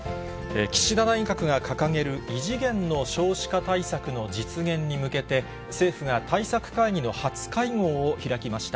岸田内閣が掲げる異次元の少子化対策の実現に向けて、政府が対策会議の初会合を開きました。